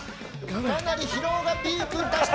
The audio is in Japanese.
かなり疲労がピークに達して。